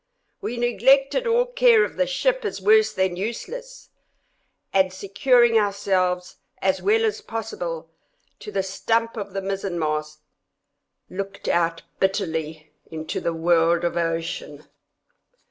We neglected all care of the ship, as worse than useless, and securing ourselves, as well as possible, to the stump of the mizen mast, looked out bitterly into the world of ocean.